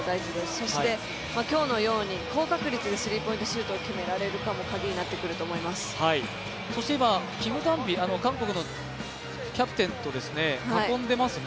そして、今日のように高確率でスリーポイントシュートが決められるかもそして今、キム・ダンビ、韓国のキャプテンと囲んでますね。